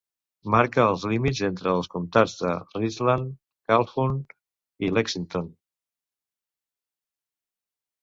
Marca els límits entre els comtats de Richland, Calhoun i Lexington.